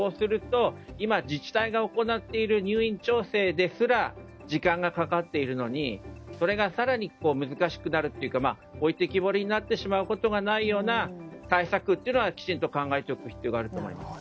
今、自治体が行っている入院調整ですら時間がかかっているのにそれが更に難しくなるというか置いてけぼりになってしまうことがないような対策というのはきちんと考えておく必要があると思います。